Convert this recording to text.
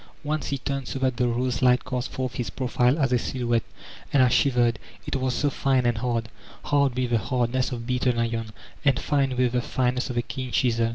Once he turned so that the rose light cast forth his profile as a silhouette; and I shivered, it was so fine and hard! Hard with the hardness of beaten iron, and fine with the fineness of a keen chisel.